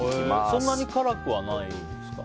そんなに辛くはないですか？